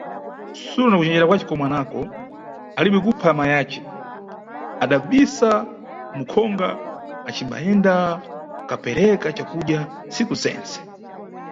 Sulo nakucenjera kwace komwe anako ali be kupha amayi yace, adawabisa mukhonga acimbayenda kapereka cakudya tsiku zense.